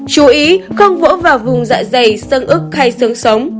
chú ý không vỗ vào vùng dạ dày sơn ức hay sương sống